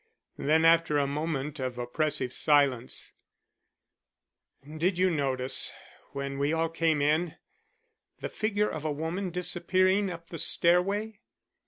Then after a moment of oppressive silence, "Did you notice, when we all came in, the figure of a woman disappearing up the stair way?